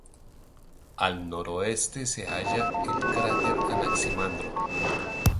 Al noroeste se halla el cráter Anaximandro.